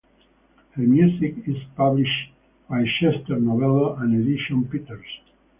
Her music is published by Chester Novello and Edition Peters.